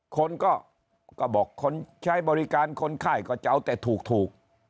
คนก็บอกคนใช้บริการคนไข้ก็จะเอาแต่ถูก